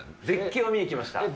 絶景を見に来ました。